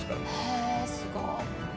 へえすごい！